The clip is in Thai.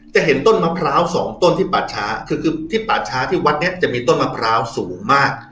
จะเห็นต้นมะพร้าวสองต้นที่ป่าช้าคือคือที่ป่าช้าที่วัดนี้จะมีต้นมะพร้าวสูงมาก